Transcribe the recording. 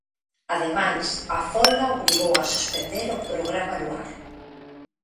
Ademais, a folga obrigou a suspender o programa Luar.